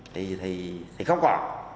thì thì thì không còn